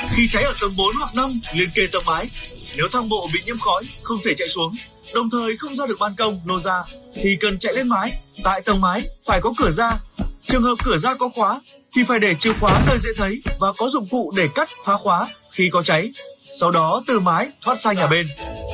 khi cháy ở tầng bốn hoặc năm liên kề tầng mái nếu thang bộ bị nhiễm khói không thể chạy xuống đồng thời không ra được ban công lô ra thì cần chạy lên mái tại tầng mái phải có cửa ra trường hợp cửa ra có khóa thì phải để chìa khóa nơi dễ thấy và có dụng cụ để cắt phá khóa khi có cháy sau đó từ mái thoát sang nhà bên